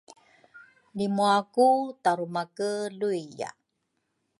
Lri mua ku Tarumake luiya